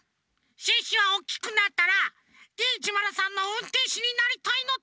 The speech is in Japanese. シュッシュはおっきくなったらＤ１０３のうんてんしになりたいのです！